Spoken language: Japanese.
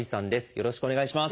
よろしくお願いします。